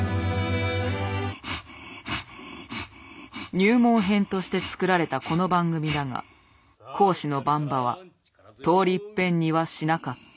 入門編として作られたこの番組だが講師の番場は通りいっぺんにはしなかった。